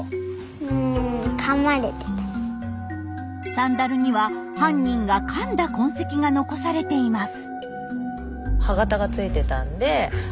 サンダルには犯人がかんだ痕跡が残されています。